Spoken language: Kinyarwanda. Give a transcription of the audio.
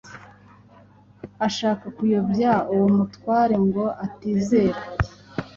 ashaka kuyobya uwo mutware ngo atizera.